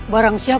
cari kian santam